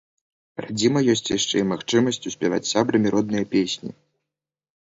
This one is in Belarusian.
Радзіма ёсць яшчэ і магчымасцю спяваць з сябрамі родныя песні.